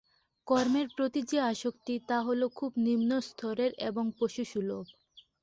কর্মের প্রতি যে আসক্তি, তা হল খুব নিম্নস্তরের এবং পশুসুলভ।